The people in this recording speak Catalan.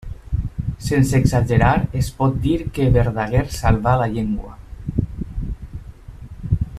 Sense exagerar es pot dir que Verdaguer salvà la llengua.